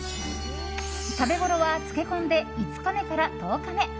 食べごろは漬け込んで５日目から１０日目。